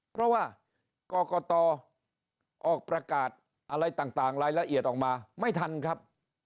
เพราะว่ากรกตออกประกาศอะไรต่างรายละเอียดออกมาไม่ทันครับ